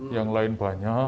yang lain banyak